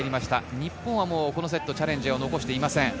日本はもうこのセット、チャレンジを残していません。